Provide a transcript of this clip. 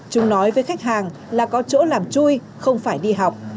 chúng nói với khách hàng là có chỗ làm chui không phải đi học